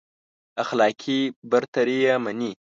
اخلاقي برتري يې مني.